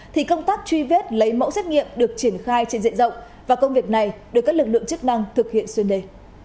thì công tác truy vết lấy mẫu xét nghiệm được triển khai trên diện rộng và công việc này được các lực lượng chức năng thực hiện xuyên đề